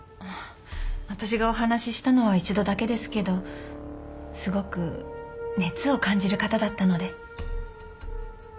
私がお話ししたのは一度だけですけどすごく熱を感じる方だったので。